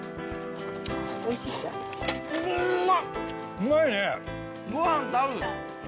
うまいね。